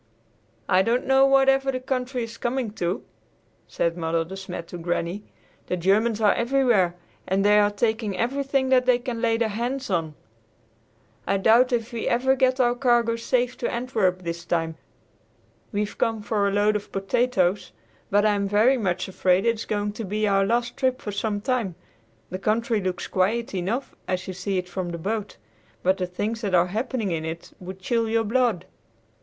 "I don't know whatever the country is coming to," said Mother De Smet to Granny. "The Germans are everywhere, and they are taking everything that they can lay their hands on. I doubt if we ever get our cargo safe to Antwerp this time. We've come for a load of potatoes, but I am very much afraid it is going to be our last trip for some time. The country looks quiet enough as you see it from the boat, but the things that are happening in it would chill your blood."